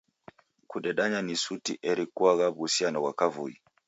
Kudedanya ni suti eri kuagha w'uhusiano ghwa kavui.